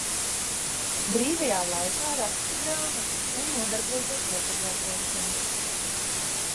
Brīvajā laikā raksta grāmatas un nodarbojas ar fotografēšanu.